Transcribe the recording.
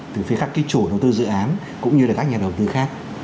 từ phía các chủ đầu tư dự án cũng như các nhà đầu tư khác